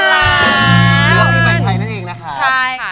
ยกอีไมไทน์นั่นเองนะครับ